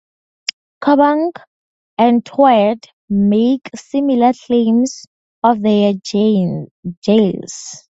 Coboconk and Tweed make similar claims of their jails.